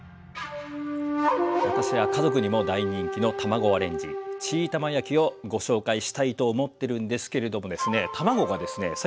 私は家族にも大人気の卵アレンジチーたま焼きをご紹介したいと思ってるんですけれどもですね卵がですね